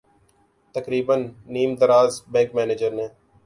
تقریبا نیم دراز بینک منیجر نے